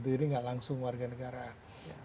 jadi nggak langsung kewarganegaraan